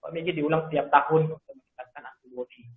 mungkin diulang setiap tahun untuk mengatakan anti vulgi